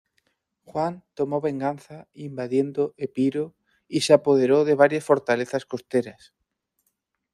Juan tomó venganza invadiendo Epiro y se apoderó de varias fortalezas costeras.